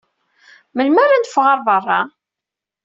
Melmi ara neffeɣ ɣer beṛṛa?